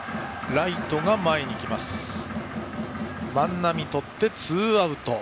ライト、万波がとってツーアウト。